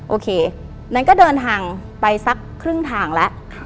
โอเคงั้นก็เดินทางไปสักครึ่งทางแล้ว